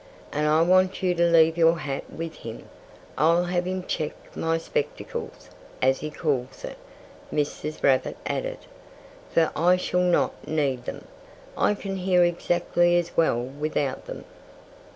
And I want you to leave your hat with him. I'll have him check my spectacles, as he calls it," Mrs. Rabbit added, "for I shall not need them. I can hear exactly as well without them."